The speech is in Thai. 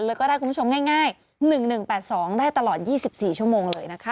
แล้วก็ได้คุณผู้ชมง่าย๑๑๘๒ได้ตลอด๒๔ชั่วโมงเลยนะคะ